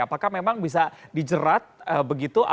apakah memang bisa dijerat begitu